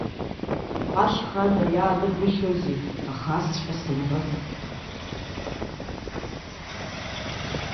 Ашьха ада иаадыргәышьозеи, аха асҵәҟьа сымбацт!